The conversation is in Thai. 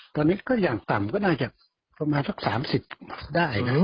ตอนนี้ก็อย่างต่ำก็น่าจะประมาณสัก๓๐ได้นะลูก